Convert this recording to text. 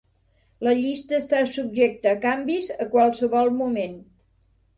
La llista està subjecta a canvis a qualsevol moment.